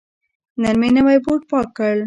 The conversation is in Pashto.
نن مې نوی بوټ پاک کړ.